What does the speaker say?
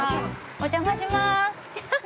◆お邪魔しまーす。